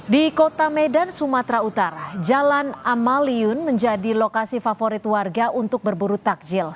di kota medan sumatera utara jalan amaliun menjadi lokasi favorit warga untuk berburu takjil